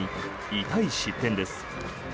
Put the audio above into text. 痛い失点です。